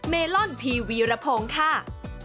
เมลอนพีวีระโพงค่ะ